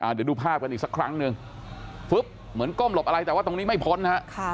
เดี๋ยวดูภาพกันอีกสักครั้งหนึ่งฟึ๊บเหมือนก้มหลบอะไรแต่ว่าตรงนี้ไม่พ้นฮะ